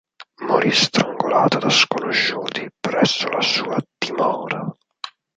Morì strangolato da sconosciuti presso la sua dimora.